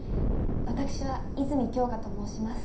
私は泉京香と申します。